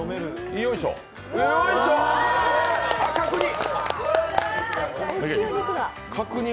よいしょ、あっ、角煮。